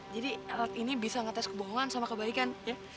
jadi alat ini bisa ngetes kebohongan sama kebaikan